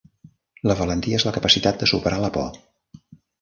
La valentia és la capacitat de superar la por.